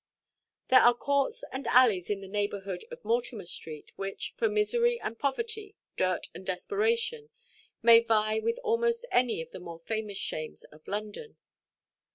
There are courts and alleys in the neighbourhood of Mortimer–street which, for misery and poverty, dirt and desperation, may vie with almost any of the more famous shames of London.